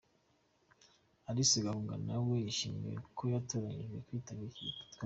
Alice Gahunga nawe yishimiye ko yatoranijwe kwitabira iki gikorwa.